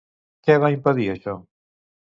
Què va impedir això?